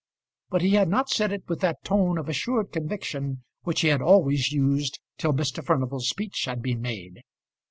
But he had not said it with that tone of assured conviction which he had always used till Mr. Furnival's speech had been made.